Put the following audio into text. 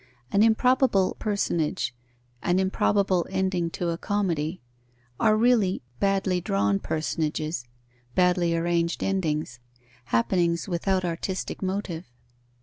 An improbable personage, an improbable ending to a comedy, are really badly drawn personages, badly arranged endings, happenings without artistic motive.